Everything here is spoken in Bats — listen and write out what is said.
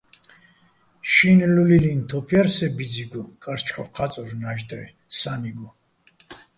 შინლულილიჼ თოფ ჲარ სე ბიძიგო, კარჩხოხ ჴა́წურ ნაჟტრე სა́ნიგო.